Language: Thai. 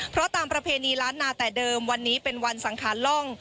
เพราะตามประเพณีล้านนาแต่เดิมวันนี้เป็นวันสังขารล่อง